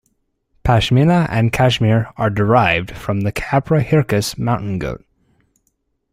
Pashmina and Cashmere are derived from the "capra hircus" mountain goat.